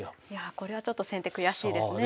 これはちょっと先手悔しいですね。